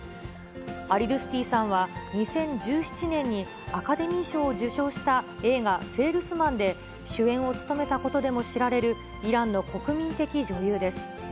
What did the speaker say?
アリドゥスティさんは、２０１７年にアカデミー賞を受賞した映画、セールスマンで主演を務めたことでも知られるイランの国民的女優です。